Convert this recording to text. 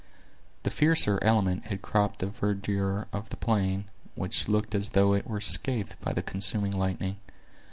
The fiercer element had cropped the verdure of the plain, which looked as though it were scathed by the consuming lightning.